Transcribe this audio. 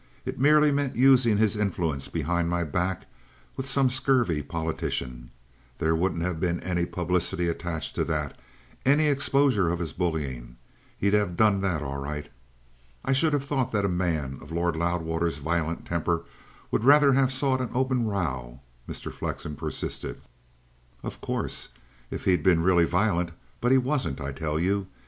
"It merely meant using his influence behind my back with some scurvy politician. There wouldn't have been any publicity attached to that, any exposure of his bullying. He'd have done that all right." "I should have thought that a man of Lord Loudwater's violent temper would rather have sought an open row," Mr. Flexen persisted. "Of course if he'd been really violent. But he wasn't, I tell you.